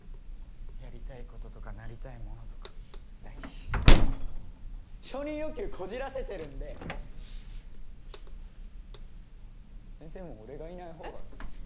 やりたいこととかなりたいものとかないし承認欲求こじらせてるんで先生も俺がいないほうがえっ？